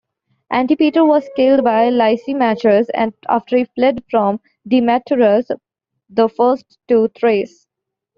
Antipater was killed by Lysimachus, after he fled from Demetrius the First to Thrace.